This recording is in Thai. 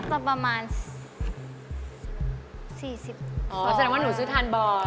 ๔๐บาทใช่ไหมครับโอเคอ๋อสมมติว่าหนูซื้อทานบ่อย